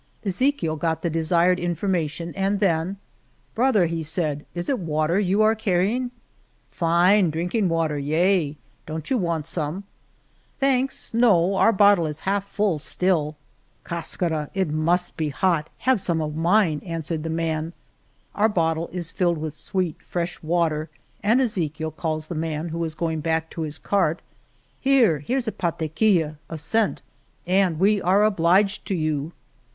Ezechiel got the desired informa 146 El Toboso tion, and then Brother," he said, "it is wa ter you are carrying ?" Fine drinking water, yea. Don't you want some ?"Thanks, no ; our bottle is half full, still." Cascara ! It must be hot, have some of mine," answered the man. Our bottle is filled with sweet fresh water, and Ezechiel calls the man, who is going back to his cart :Here, here's a pataquilla" (a cent), " and we are obliged to you."